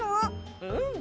うん。